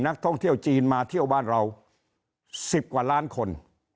นักท่องเที่ยวจีนมาเที่ยวบ้านเรา๑๐กว่าล้านคน